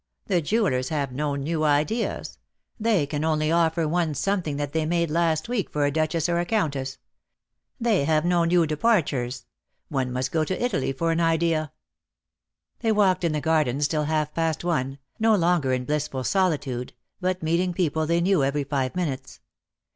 The jewellers have no new ideas. They can only offer one something that they made last week for a duchess or a countess. DEAD LOVE HAS CHAINS, 237 They have no new departures. One must go to Italy for an idea," ... They walked in the gardens till half past one, no longer in blissful solitude, but meeting people they knew every five minutes.